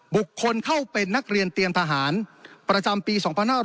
บุคคลเข้าเป็นนักเรียนเตรียมทหารประจำปี๒๕๕๙